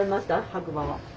白馬は。